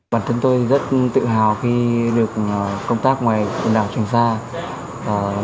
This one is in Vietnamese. bản thân tôi rất tự hào khi được công tác ngoài quần đảo trường sa